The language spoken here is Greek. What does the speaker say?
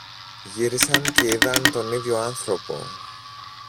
Γύρισαν και είδαν τον ίδιο άνθρωπο.